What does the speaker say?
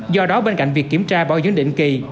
do đó bên cạnh việc kiểm tra bảo dưỡng định kỳ